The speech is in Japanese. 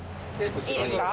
いいですか？